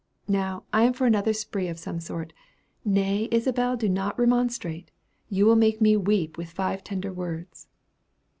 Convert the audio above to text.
Now I am for another spree of some sort. Nay, Isabel, do not remonstrate. You will make me weep with five tender words."